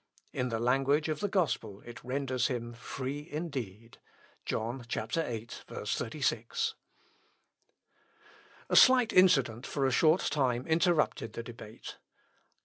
In the language of the gospel it renders him "free indeed." (John, viii, 36.) A slight incident for a short time interrupted the debate.